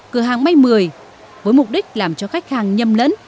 cửa hàng may mười với mục đích làm cho khách hàng nhầm lẫn